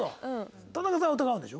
田中さん疑うんでしょ？